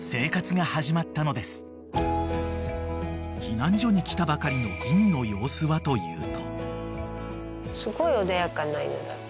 ［避難所に来たばかりのぎんの様子はというと］